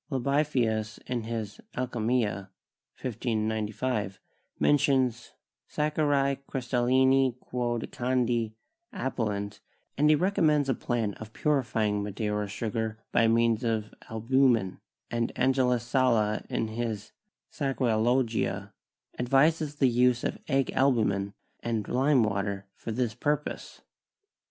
Libavius in his 'Alchymia' (1595) mentions "Sacchari crystallini quod candi appellant," and he recommends a plan of purifying Madeira sugar by means of albumen, and Angelus Sala in his 'Saccharalogia' advises the use of egg albumen and lime water for this purpose.